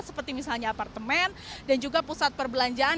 seperti misalnya apartemen dan juga pusat perbelanjaan